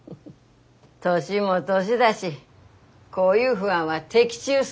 年も年だしこういう不安は的中すっとやだがら。